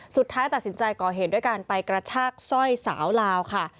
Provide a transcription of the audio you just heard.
สุดท้ายตัดสินใจก่อเหตุด้วยการไปกระชากสร้อยสาวลาวค่ะ